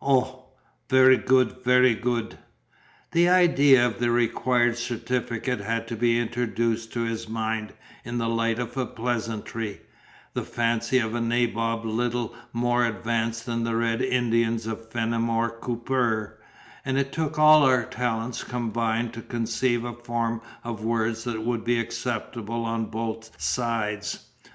O, very good, very good." The idea of the required certificate had to be introduced to his mind in the light of a pleasantry the fancy of a nabob little more advanced than the red Indians of "Fennimore Cooperr"; and it took all our talents combined to conceive a form of words that would be acceptable on both sides.